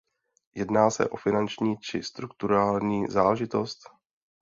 Jedná se o finanční, či strukturální záležitost?